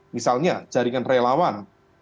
misalnya jaringan relawan